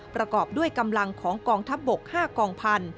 ประกอบด้วยกำลังของกองทัพบก๕กองพันธุ